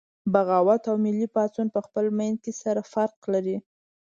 بغاوت او ملي پاڅون پخپل منځ کې سره فرق لري